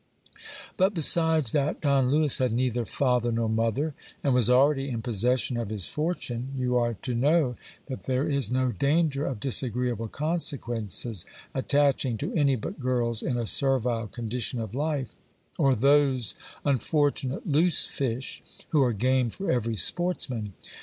But, besides that Don Lewis had neither father nor mother, and was already in possession of his fortune, you are to know that there is no danger of disagreeable consequences attaching to any but girls in a servile condition of life, or those unfortunate loose fish who are game for every sportsman.